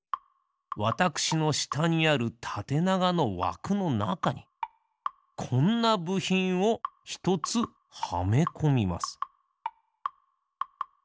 わたくしのしたにあるたてながのわくのなかにこんなぶひんをひとつはめこみます。